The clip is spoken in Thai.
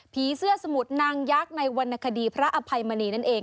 เสื้อสมุทรนางยักษ์ในวรรณคดีพระอภัยมณีนั่นเอง